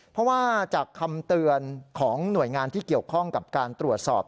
เพราะว่าจากคำเตือนของหน่วยงานที่เกี่ยวข้องกับการตรวจสอบ